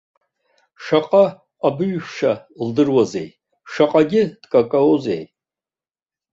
Шаҟа абыжәшьа лдыруазеи, шаҟагьы дкакозеи.